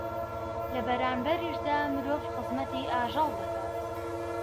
لە بەرانبەریشیدا مرۆڤ خزمەتی ئاژەڵ دەکات